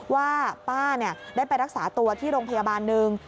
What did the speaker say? ว่าป้าได้ไปรักษาตัวที่โรงพยาบาลหนึ่ง